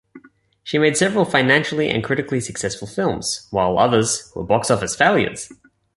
She made several financially and critically successful films, while others were box office failures.